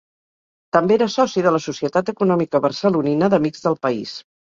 També era soci de la Societat Econòmica Barcelonina d'Amics del País.